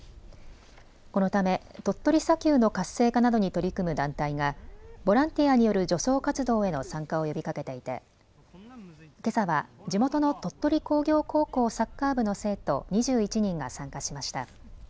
このため鳥取砂丘の活性化などに取り組む団体がボランティアによる除草活動への参加を呼びかけていてけさは地元の鳥取工業高校サッカー部の生徒２１人が参加しました。